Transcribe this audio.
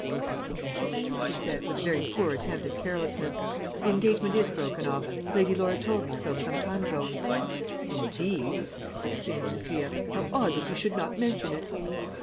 "Yes," she said, with a very poor attempt at carelessness, "the engagement is broken off. Lady Laura told me so some time ago." "Indeed!" exclaimed Sophia. "How odd that you should not mention it!"